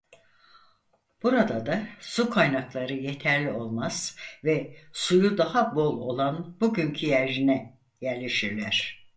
Burada da su kaynakları yeterli olmaz ve suyu daha bol olan bugünkü yerine yerleşirler.